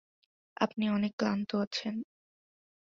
আপনি অনেক ক্লান্ত আছেন।